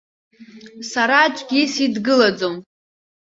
Сара аӡәгьы сидгылаӡом.